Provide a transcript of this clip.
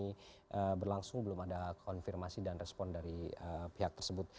ini berlangsung belum ada konfirmasi dan respon dari pihak tersebut